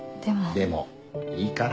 でもいいから。